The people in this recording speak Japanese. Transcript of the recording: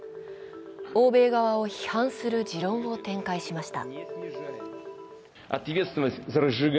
欧米側を批判する持論を展開しました。